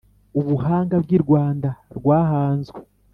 Ubuhanga bw'i Rwanda rwahanzwe